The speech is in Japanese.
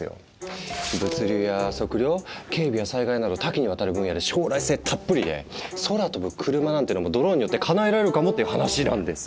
物流や測量警備や災害など多岐にわたる分野で将来性たっぷりで空飛ぶ車なんてのもドローンによってかなえられるかもっていう話なんですよ。